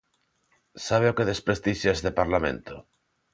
¿Sabe o que desprestixia este Parlamento?